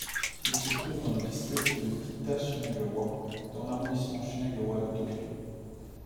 Il se trouve dans le district de Kita-Shinagawa, dans l'arrondissement Shinagawa de Tokyo.